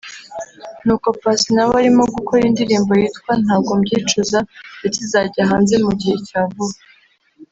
ni uko Paccy nawe arimo gukora indirimbo yitwa "Ntabwo mbyicuza" ndetse izajya hanze mu gihe cya vuba